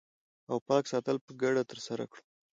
او پاک ساتل په ګډه ترسره کړو